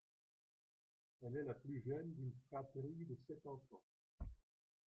Elle est la plus jeune d'une fratrie de sept enfants.